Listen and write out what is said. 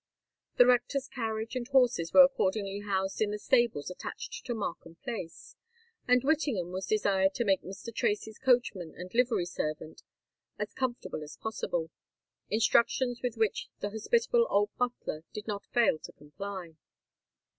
The rector's carriage and horses were accordingly housed in the stables attached to Markham Place; and Whittingham was desired to make Mr. Tracy's coachman and livery servant as comfortable as possible—instructions with which the hospitable old butler did not fail to comply.